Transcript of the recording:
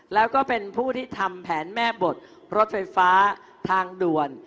แล้วก็เป็นผู้ที่ทำแผนแม่บทรถไฟฟ้าทางด่วน